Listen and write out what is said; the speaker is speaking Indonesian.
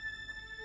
aku sudah berjalan